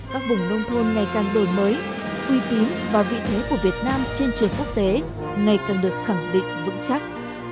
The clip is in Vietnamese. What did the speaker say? các vùng nông thôn ngày càng đổi mới uy tín và vị thế của việt nam trên trường quốc tế ngày càng được khẳng định vững chắc